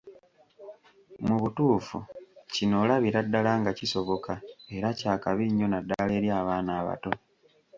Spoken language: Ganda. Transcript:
Mu butuufu kino olabira ddala nga kisoboka era kya kabi nnyo naddala eri abaana abato.